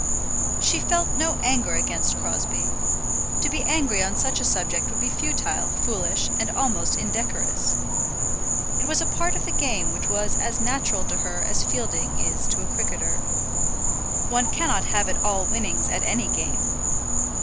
She felt no anger against Crosbie. To be angry on such a subject would be futile, foolish, and almost indecorous. It was a part of the game which was as natural to her as fielding is to a cricketer. One cannot have it all winnings at any game.